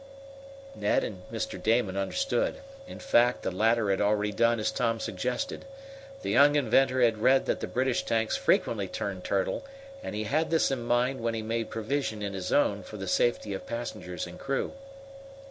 Ned and Mr. Damon understood. In fact, the latter had already done as Tom suggested. The young inventor had read that the British tanks frequently turned turtle, and he had this in mind when he made provision in his own for the safety of passengers and crew.